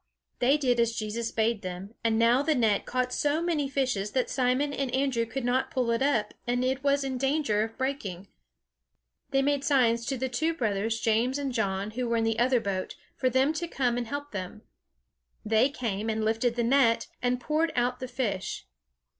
They did as Jesus bade them; and now the net caught so many fishes that Simon and Andrew could not pull it up, and it was in danger of breaking. They made signs to the two brothers, James and John, who were in the other boat, for them to come and help them. They came, and lifted the net, and poured out the fish.